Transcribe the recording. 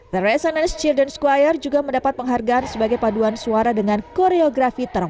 the resonance children's choir juga mendapat penghargaan sebagai baduan suara dengan koreografi terbaik